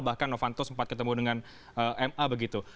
bahkan novanto sempat ketemu dengan ma begitu